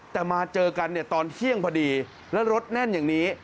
แต่มาเจอกันเนี่ยตอนเที่ยงพอดีแล้วรถแน่นอย่างนี้